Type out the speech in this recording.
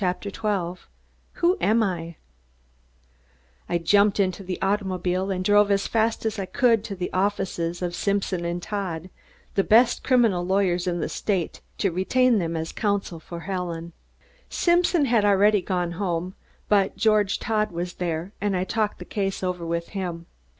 CHAPTER TWELVE WHO AM I I jumped into the automobile and drove as fast as I could to the offices of Simpson and Todd, the best criminal lawyers in the state, to retain them as council for Helen. Simpson had already gone home, but George Todd was there, and I talked the case over with him.